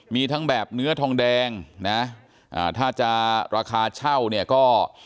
มีทั้งแบบเนื้อทองแดงนะถ้าจะราคาเช่าเนี่ยก็